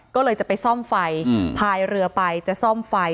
ก็เลยจะไปซ่อมไฟพายเรือไปจะซ่อมไฟ